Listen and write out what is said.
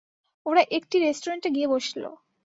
ওরা একটি রেস্টুরেন্টে গিয়ে বসল।